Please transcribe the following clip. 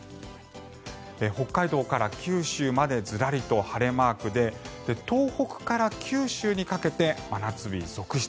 北海道から九州までずらりと晴れマークで東北から九州にかけて真夏日続出。